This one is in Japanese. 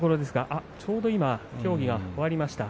ちょうど今協議が終わりました。